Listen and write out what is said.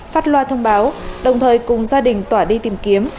phát loa thông báo đồng thời cùng gia đình tỏa đi tìm kiếm